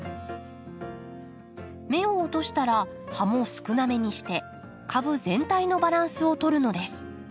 芽を落としたら葉も少なめにして株全体のバランスをとるのです。